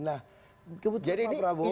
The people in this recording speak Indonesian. nah kebetulan pak prabowo